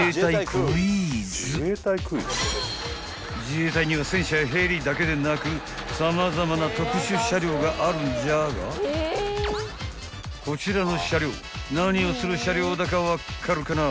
［自衛隊には戦車やヘリだけでなく様々な特殊車両があるんじゃがこちらの車両何をする車両だか分かるかな？］